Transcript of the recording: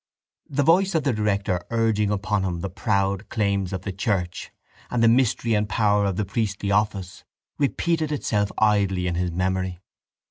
The voice of the director urging upon him the proud claims of the church and the mystery and power of the priestly office repeated itself idly in his memory.